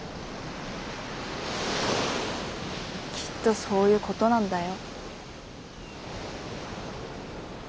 きっとそういうことなんだよ。